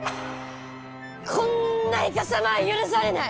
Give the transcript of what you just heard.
こんないかさまは許されない！